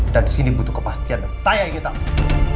dan di sini butuh kepastian dan saya yang ditanggung